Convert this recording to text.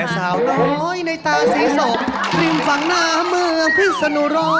สาวน้อยในตาสีสกริมฝั่งหน้าเมืองพิศนุโร